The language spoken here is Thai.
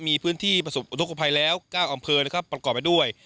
มีพื้นที่ประสบอุทธกภัยแล้ว๙อำเภอนะครับประกอบไปด้วย